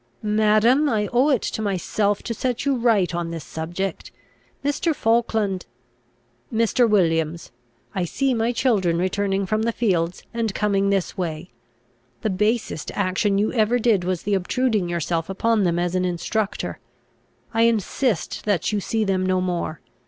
"Madam, I owe it to myself to set you right on this subject. Mr. Falkland " "Mr. Williams, I see my children returning from the fields, and coming this way. The basest action you ever did was the obtruding yourself upon them as an instructor. I insist that you see them no more.